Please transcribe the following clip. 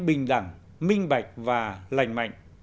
bình đẳng minh bạch và lành mạnh